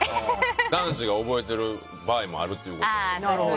男子が覚えてる場合もあるっていうこと。